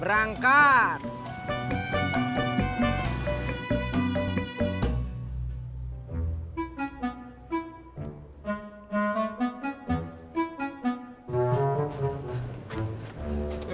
arah yang yang jugaumping